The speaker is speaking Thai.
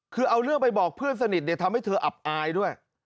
คือเอาเรื่องไปบอกเพื่อนสนิททำให้เธออับอายด้วย